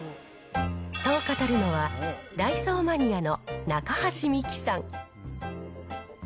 そう語るのは、ダイソーマニアの中橋美輝さん。